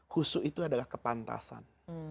husu' itu adalah kepantasan